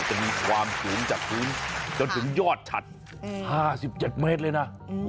จะมีความสูงจากภูมิจนยอดชัด๕๗เมตรเลยนะ